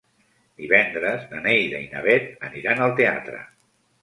Divendres na Neida i na Bet aniran al teatre.